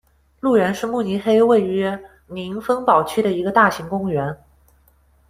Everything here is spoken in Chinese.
鹿园是慕尼黑位于宁芬堡区的一个大型公园。